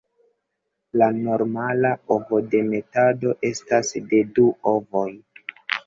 La normala ovodemetado estas de du ovoj.